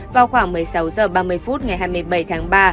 vào khoảng một mươi sáu h ba mươi phút ngày hai mươi bảy tháng ba